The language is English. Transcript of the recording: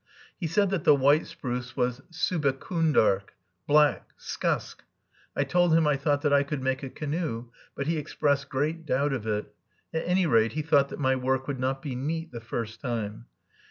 He said that the white spruce was subekoondark, black, skusk. I told him I thought that I could make a canoe, but he expressed great doubt of it; at any rate, he thought that my work would not be "neat" the first time.